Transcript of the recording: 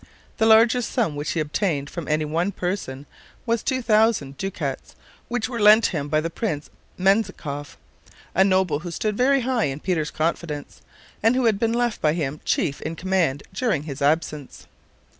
The largest sum which he obtained from any one person was two thousand ducats, which were lent him by Prince Menzikoff, a noble who stood very high in Peter's confidence, and who had been left by him chief in command during his absence.